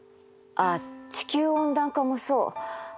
ああ地球温暖化もそう。